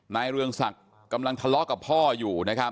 นายเรืองสักกำลังทะเลาะกับพ่ออยู่